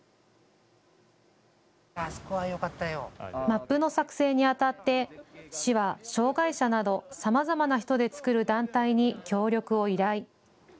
マップの作成にあたって市は障害者など、さまざまな人で作る団体に協力を依頼。